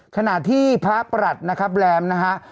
ขณะที่พระประหลัดแรมนะครับ